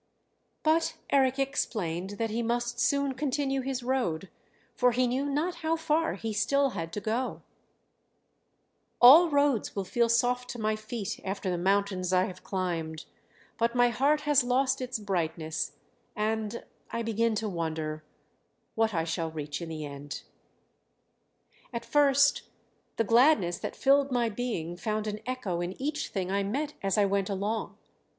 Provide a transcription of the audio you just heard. But Eric explained that he must soon continue his road, for he knew not how far he still had to go: "All roads will feel soft to my feet after the mountains I have climbed; but my heart has lost its brightness and I begin to wonder what I shall reach in the end. "At first the gladness that filled my being found an echo in each thing I met as I went along.